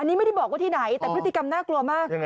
อันนี้ไม่ได้บอกว่าที่ไหนแต่พฤติกรรมน่ากลัวมาก